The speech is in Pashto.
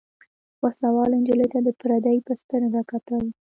وسله والو نجلۍ ته د پردۍ په سترګه کتل.